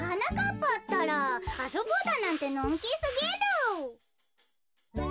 ったらあそぼうだなんてのんきすぎる。